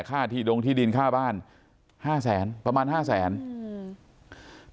ค่าที่ดงที่ดินค่าบ้านห้าแสนประมาณห้าแสนอืม